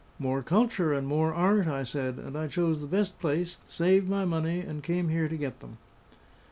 More culture and more art, I said; and I chose the best place, saved my money, and came here to get them."